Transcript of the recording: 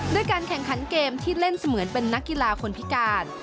การแข่งขันเกมที่เล่นเสมือนเป็นนักกีฬาคนพิการ